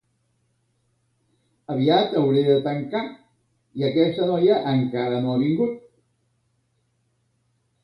Aviat hauré de tancar i aquesta noia encara no ha vingut